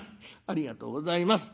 「ありがとうございます。